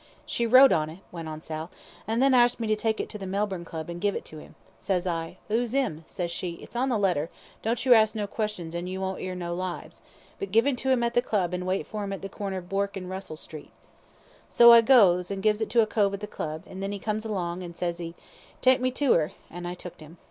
"She wrote on it," went on Sal, "an' then arsked me to take it to the Melbourne Club an' give it to 'im. Ses I, 'Who's 'im?' Ses she, 'It's on the letter; don't you arsk no questions an' you won't 'ear no lies, but give it to 'im at the Club, an' wait for 'im at the corner of Bourke Street and Russell Street.' So out I goes, and gives it to a cove at the Club, an' then 'e comes along, an' ses 'e, 'Take me to 'er,' and I tooked 'im."